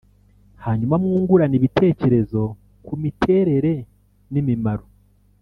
hanyuma mwungurane ibitekerezo ku miterere n’imimaro